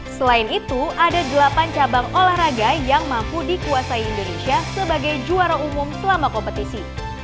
selain itu ada delapan cabang olahraga yang mampu dikuasai indonesia sebagai juara umum selama kompetisi